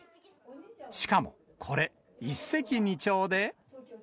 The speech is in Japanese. しかもこれ、一石二鳥で。